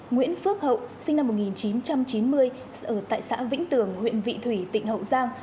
nguyễn phước hậu sinh năm một nghìn chín trăm chín mươi ở tại xã vĩnh tường huyện vị thủy tỉnh hậu giang